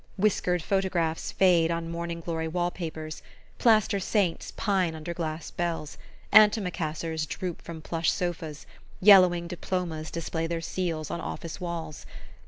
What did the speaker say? Whiskered photographs fade on morning glory wallpapers, plaster saints pine under glass bells, antimacassars droop from plush sofas, yellowing diplomas display their seals on office walls.